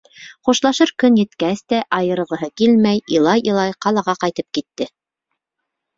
Хушлашыр көн еткәс тә, айырылғыһы килмәй, илай-илай ҡалаға ҡайтып китте.